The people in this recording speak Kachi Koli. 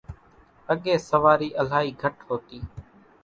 اڳيَ سوارِي الائِي گھٽ هوتِي۔